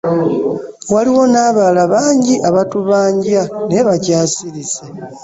Waliwo n'abalala bangi abatubanja naye bakyasirise.